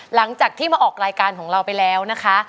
หลังจากที่มาออกรายการของเราไปแล้วนะคะ